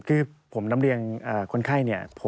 คือผมนำเรียงคนไข้เนี่ย